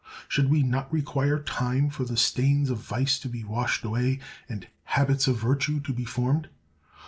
Should we not require time for the stains of vice to be washed away and habits of virtue to be formed?